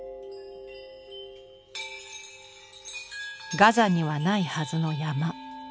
ガザにはないはずの山。